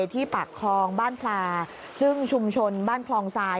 ที่ปากคลองบ้านพลาซึ่งชุมชนบ้านคลองทราย